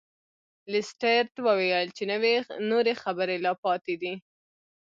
لیسټرډ وویل چې نورې خبرې لا پاتې دي.